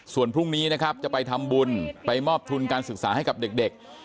ส่วนพรุ่งนี้นะครับจะไปทำบุญไปมอบทุนการศึกษาให้กับเด็ก